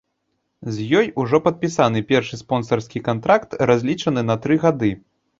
З ёй ужо падпісаны першы спонсарскі кантракт, разлічаны на тры гады.